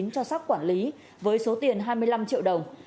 cho sóc quản lý với số tiền hai mươi năm triệu đồng